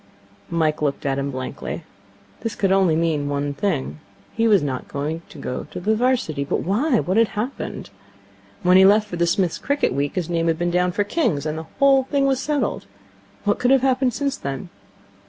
Mike looked at him blankly. This could only mean one thing. He was not to go to the 'Varsity. But why? What had happened? When he had left for the Smith's cricket week, his name had been down for King's, and the whole thing settled. What could have happened since then?